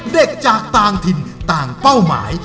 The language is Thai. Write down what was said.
จากต่างถิ่นต่างเป้าหมาย